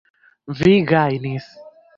Vi gajnis!